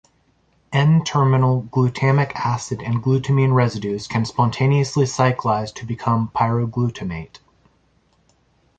"N"-terminal glutamic acid and glutamine residues can spontaneously cyclize to become pyroglutamate.